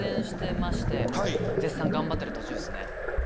絶賛頑張ってる途中ですね。